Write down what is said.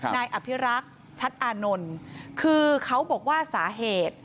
นายอภิรักษ์ชัดอานนท์คือเขาบอกว่าสาเหตุ